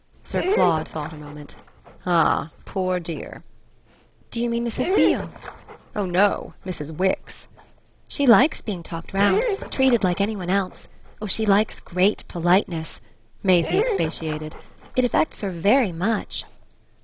Sir Claude thought a moment. "Ah poor dear!" "Do you mean Mrs. Beale?" "Oh no Mrs. Wix." "She likes being talked round treated like any one else. Oh she likes great politeness," Maisie expatiated. "It affects her very much."